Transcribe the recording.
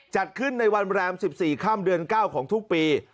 จรัดขึ้นในวันแหลม๒๔ข้ามเดือน๙ของทุกปี